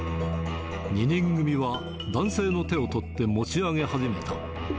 ２人組は男性の手を取って持ち上げ始めた。